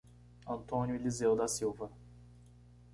Antônio Elizeu da Silva